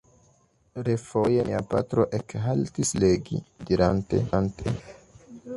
Refoje mia patro ekhaltis legi, dirante: